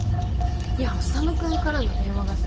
いや修君からの電話がさ。